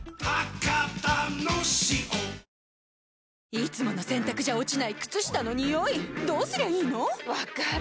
いつもの洗たくじゃ落ちない靴下のニオイどうすりゃいいの⁉分かる。